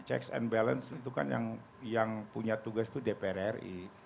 checks and balance itu kan yang punya tugas itu dpr ri